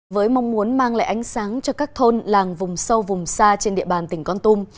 với mong muốn mang lại ánh sáng cho các thôn làng vùng sâu vùng xa trên địa bàn tỉnh con tum